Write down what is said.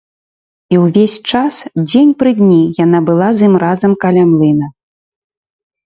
І ўвесь час, дзень пры дні, яна была з ім разам каля млына.